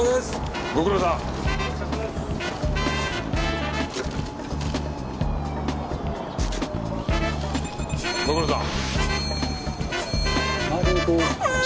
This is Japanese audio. ご苦労さん。